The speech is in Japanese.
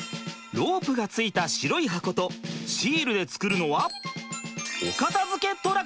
ロープが付いた白い箱とシールで作るのはお片づけトラック。